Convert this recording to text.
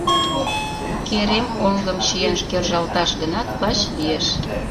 Керем оҥгым чиен кержалташ гынат, лач лиеш!..